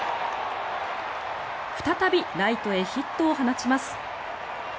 再びライトへヒットを放ちます。